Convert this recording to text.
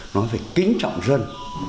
nói về kính trọng dân